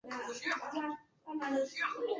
本区是自民党和保守党争持的选区。